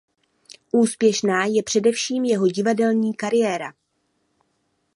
Úspěšná je především jeho divadelní kariéra.